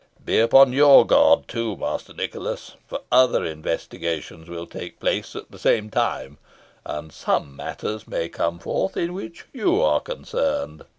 Be upon your guard, too, Master Nicholas; for other investigations will take place at the same time, and some matters may come forth in which you are concerned.